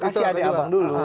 kasih adik abang dulu